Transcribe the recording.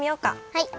はい。